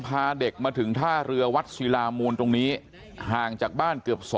พาเด็กมาถึงท่าเรือวัดศิลามูลตรงนี้ห่างจากบ้านเกือบ